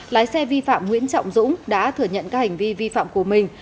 lái xe vi phạm nguyễn trọng dũng đã thừa nhận các hành vi vi phạm của mình